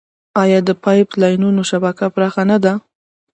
آیا د پایپ لاینونو شبکه پراخه نه ده؟